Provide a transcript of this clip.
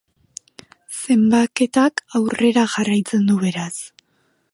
Zenbaketak aurrera jarraitzen du, beraz.